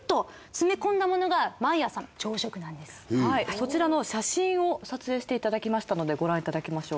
そちらの写真を撮影していただきましたのでご覧いただきましょう。